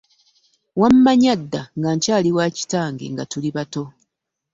Wammanya dda nga nkyali wa kitange nga tuli bato.